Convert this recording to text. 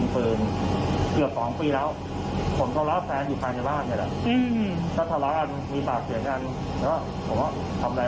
ผมเลยตั้งพาร์มมาลัยผมก็แตะกลายกับเองเลย